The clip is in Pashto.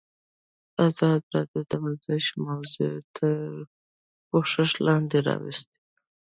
ازادي راډیو د ورزش موضوع تر پوښښ لاندې راوستې.